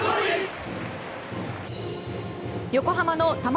横浜の玉